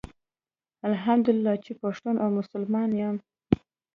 الحمدالله چي پښتون او مسلمان يم